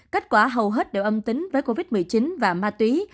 kết quả hầu hết đều âm tính với covid một mươi chín và ma túy